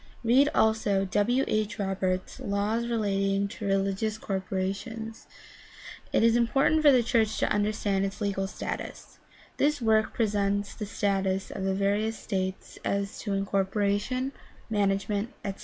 Read also W. H. Roberts, Laws Relating to Religious Corporations (Philadelphia: Presbyterian Board of Publication) . It is important for the church to understand its legal status. This work presents the statutes of the various states as to incorporation, management, etc.